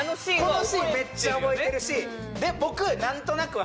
このシーンめっちゃ覚えてるしあっそう？